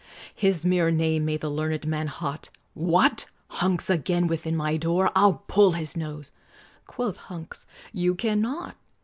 His mere name made the learned man hot, "What! Hunks again within my door! I'll pull his nose"; quoth Hunks, "You cannot."